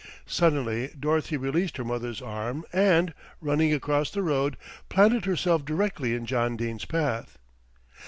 Suddenly Dorothy released her mother's arm and, running across the road, planted herself directly in John Dene's path.